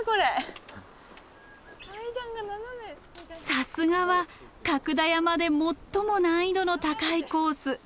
さすがは角田山で最も難易度の高いコース。